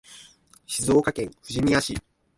静岡県富士宮市